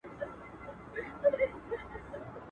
نو مي مخ کی د نیکه د قبر خواته.